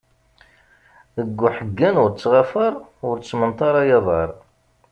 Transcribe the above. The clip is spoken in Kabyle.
Ded uḥeggan ur ttɣafaṛ, ur ttmenṭaṛ ay aḍaṛ!